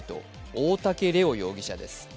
大竹玲央容疑者です。